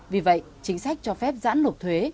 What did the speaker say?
vì vậy chính sách cho phép giãn nộp thuế